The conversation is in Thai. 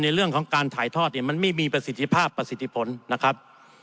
ในเรื่องของการถ่ายทอดเนี่ยมันไม่มีประสิทธิภาพประสิทธิผลนะครับ